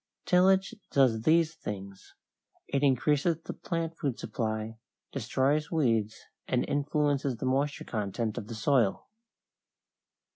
Tillage does these things: it increases the plant food supply, destroys weeds, and influences the moisture content of the soil.